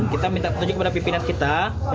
kita minta petunjuk kepada pimpinan kita